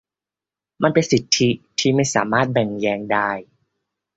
มันเป็นสิทธิที่ไม่สามารถแบ่งแยกได้